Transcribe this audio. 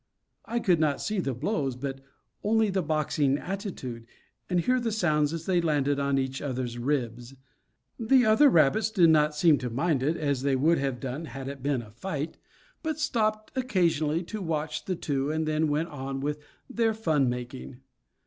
I could not see the blows but only the boxing attitude, and hear the sounds as they landed on each other's ribs. The other rabbits did not seem to mind it, as they would have done had it been a fight, but stopped occasionally to watch the two, and then went on with their fun making.